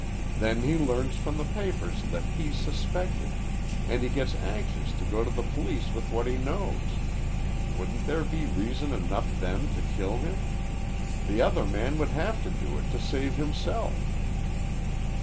Then he learns from the papers that he's suspected, an' he gets anxious to go to the police with what he knows. Wouldn't there be reason enough then to kill him? The other man would have to do it to save himself."